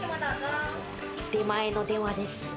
出前の電話です。